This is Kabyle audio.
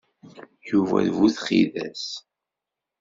Yuba d bu txidas.